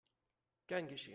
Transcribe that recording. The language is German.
Gern geschehen!